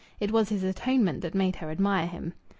It was his atonement that made her admire him.